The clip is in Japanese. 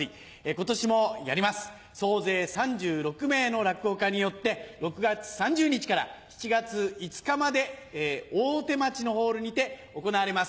今年もやります総勢３６名の落語家によって６月３０日から７月５日まで大手町のホールにて行われます。